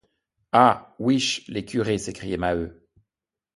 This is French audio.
Ah! ouiche, les curés ! s’écriait Maheu.